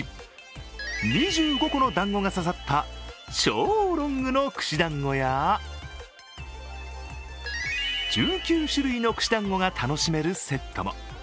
２５個のだんごが刺さった超ロングの串だんごや１９種類の串だんごが楽しめるセットも。